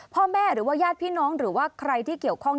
พ่อแม่หรือว่าญาติพี่น้องหรือว่าใครที่เกี่ยวข้อง